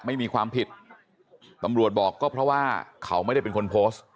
ไม่มีความผิดตำรวจบอกก็เพราะว่าเขาไม่ได้เป็นคนโพสต์